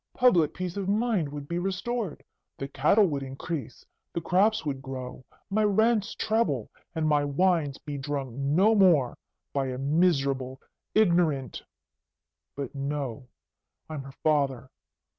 Public peace of mind would be restored. The cattle would increase, the crops would grow, my rents treble, and my wines be drunk no more by a miserable, ignorant but, no! I'm her father.